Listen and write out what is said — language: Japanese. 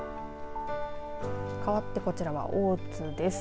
かわってこちらは大津です。